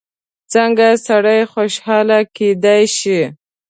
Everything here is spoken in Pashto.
څنګه سړی خوشحاله کېدای شي؟